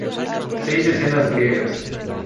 Seis escenas griegas".